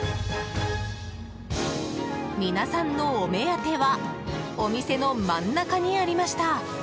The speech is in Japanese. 皆さんのお目当てはお店の真ん中にありました。